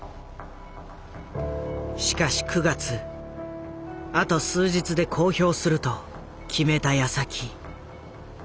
しかし９月あと数日で公表すると決めたやさき。